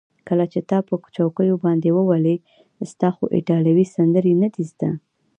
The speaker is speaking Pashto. کله چې تا په چوکیو باندې وولي، ستا خو ایټالوي سندرې نه دي زده.